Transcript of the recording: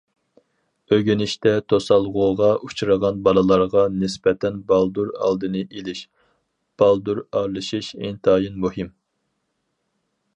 ئۆگىنىشتە توسالغۇغا ئۇچرىغان بالىلارغا نىسبەتەن بالدۇر ئالدىنى ئېلىش، بالدۇر ئارىلىشىش ئىنتايىن مۇھىم.